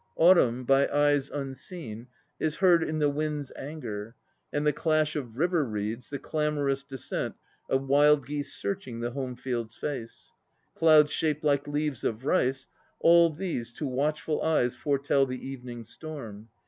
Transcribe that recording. Autumn, by eyes unseen, Is heard in the wind's anger; And the clash of river reeds, the clamorous descent Of wild geese searching The home field's face, Clouds shaped like leaves of rice, all these To watchful eyes foretell the evening storm.